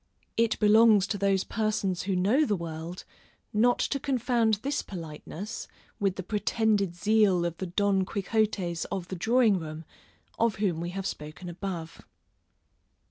It belongs to those persons who know the world, not to confound this politeness, with the pretended zeal of the Don Quixottes of the drawing room, of whom we have spoken above.